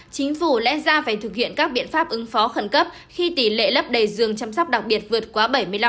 chính phủ lẽ ra phải thực hiện các biện pháp ứng phó khẩn cấp khi tỷ lệ lấp đầy giường chăm sóc đặc biệt vượt quá bảy mươi năm